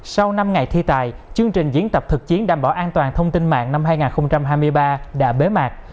sau năm ngày thi tài chương trình diễn tập thực chiến đảm bảo an toàn thông tin mạng năm hai nghìn hai mươi ba đã bế mạc